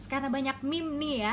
karena banyak meme nih ya